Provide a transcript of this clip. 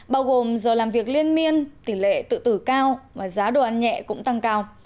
bao gồm giờ làm việc liên miên tỷ lệ tự tử cao và giá đồ ăn nhẹ cũng tăng cao